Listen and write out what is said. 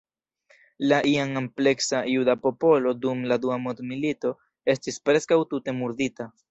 La iam ampleksa juda popolo dum la Dua Mondmilito estis preskaŭ tute murdita.